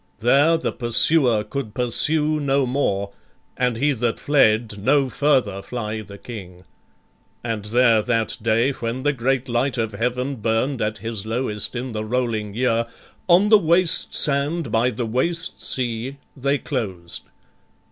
There the pursuer could pursue no more, And he that fled no further fly the King; And there, that day when the great light of heaven Burn'd at his lowest in the rolling year, On the waste sand by the waste sea they closed.